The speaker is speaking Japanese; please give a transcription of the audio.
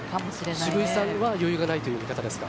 渋井さんは余裕がないという見方ですか？